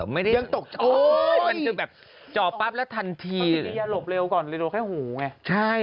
ยังมีหน่อย